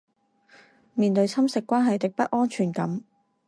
面對侵蝕關係的不安全感